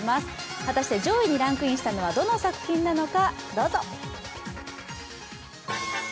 果たして上位にランクインしたのは、どの作品なのか。